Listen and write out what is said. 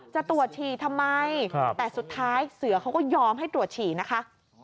จะตรวจฉี่ทำไมแต่สุดท้ายเสือเขาก็ยอมให้ตรวจฉี่นะคะ